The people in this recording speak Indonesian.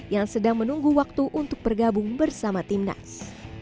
yang sedang menunggu waktu untuk bergabung bersama tim nas